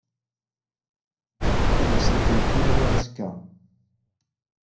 Ad asent-tent-in-awiɣ azekka.